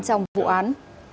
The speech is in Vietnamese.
trong vụ án